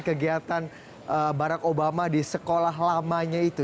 kegiatan barack obama di sekolah lamanya itu